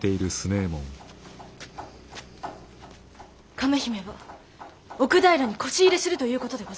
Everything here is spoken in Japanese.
亀姫は奥平にこし入れするということでございますよ。